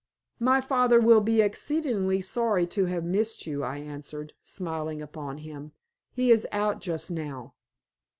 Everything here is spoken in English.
"My father will be exceedingly sorry to have missed you," I answered, smiling upon him; "he is out just now."